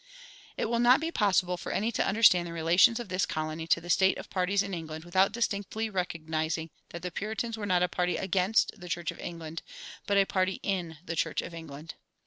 It will not be possible for any to understand the relations of this colony to the state of parties in England without distinctly recognizing that the Puritans were not a party against the Church of England, but a party in the Church of England.